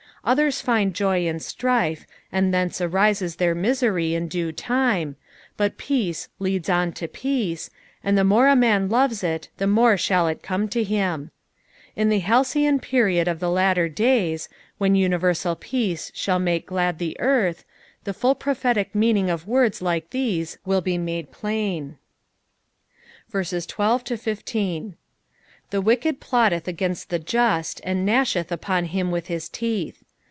Others find joy in strife, and thence aTises their misery in due time, but peace leads on tu peace, and the more a man loves it the more shall it come to him. In the halcyon period of the latter days, when universal peace ■hall make glad the earth, the full prophetic meaning of words like these will be made pli^ b, Cockle 192 BSP08ITION8 OF THE P8AI.MB. 12 The wicked plotteth against the just, and gnashcth upon him with his teeth.